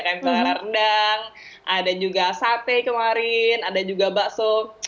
ada rendang ada juga sate kemarin ada juga bakso